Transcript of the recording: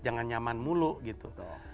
yang aman mulu gitu